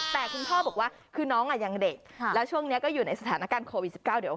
แต่คุณพ่อบอกว่าคือน้องอะอย่างเด็กค่ะแล้วช่วงเนี้ยก็อยู่ในสถานการณ์โควิดสิบเก้า